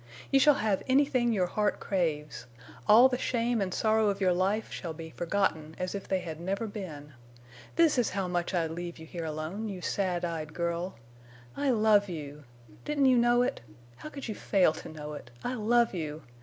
You shall have anything your heart craves. All the shame and sorrow of your life shall be forgotten—as if they had never been. This is how much I'd leave you here alone—you sad eyed girl. I love you! Didn't you know it? How could you fail to know it? I love you!